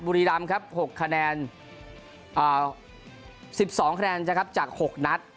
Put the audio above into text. บุรีรำครับ๖คะแนน๑๒คะแนนนะครับจาก๖นัด